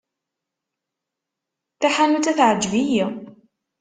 Taḥanut-a teɛjeb-iyi.